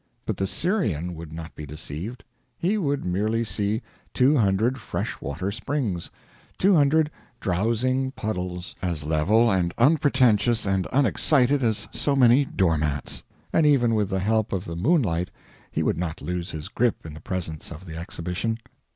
But the Syrian would not be deceived; he would merely see two hundred fresh water springs two hundred drowsing puddles, as level and unpretentious and unexcited as so many door mats, and even with the help of the moonlight he would not lose his grip in the presence of the exhibition.